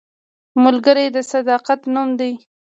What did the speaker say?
ملګری د صداقت نوم دی